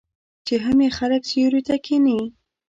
چې هم یې خلک سیوري ته کښیني.